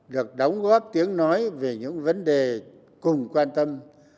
được đóng góp tiếng nói về những vấn đề cùng quan tâm